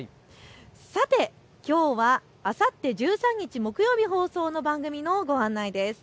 さて、きょうはあさって１３日木曜日放送の番組のご案内です。